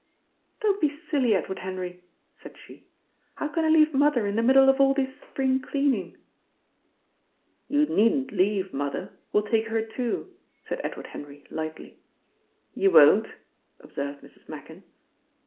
"Don't be silly, Edward Henry," said she. "How can I leave Mother in the middle of all this spring cleaning?" "You needn't leave Mother. We'll take her too," said Edward Henry lightly. "You won't!" observed Mrs. Machin.